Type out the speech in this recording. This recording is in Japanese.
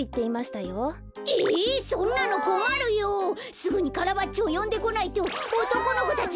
すぐにカラバッチョをよんでこないとおとこの子たち